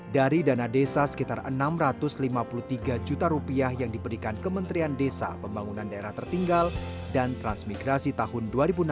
dari dana desa sekitar rp enam ratus lima puluh tiga juta rupiah yang diberikan kementerian desa pembangunan daerah tertinggal dan transmigrasi tahun dua ribu enam belas